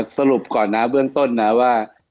สรุปก่อนนะเบื้องต้นนะว่า